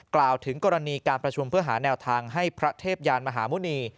กล่าวถึงกรณีการประชุมเพื่อหาแนวทางให้พระเทพยานมหาหมุณี